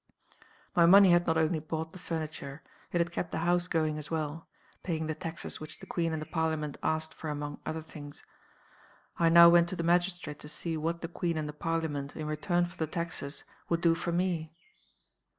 "My money had not only bought the furniture it had kept the house going as well; paying the taxes which the Queen and the Parliament asked for among other things. I now went to the magistrate to see what the Queen and the Parliament, in return for the taxes, would do for _me.